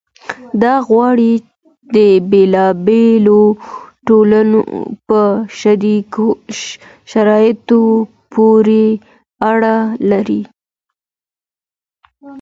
دا غوراوی د بیلا بیلو ټولنو په شرایطو پوري اړه لري.